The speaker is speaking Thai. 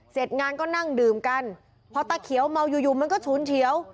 เสร็จงานก็นั่งดื่มกันพอตาเขียวเมาอยู่อยู่มันก็ฉุนเฉียว